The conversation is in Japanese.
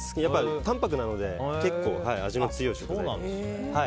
淡泊なので結構味の強い食材と。